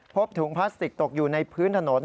พบถุงพลาสติกตกอยู่ในพื้นถนน